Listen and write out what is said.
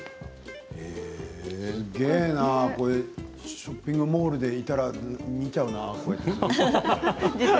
ショッピングモールにいたら見ちゃうな、これ。